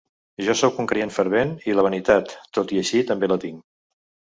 Jo sóc un creient fervent i la vanitat tot i així també la tinc.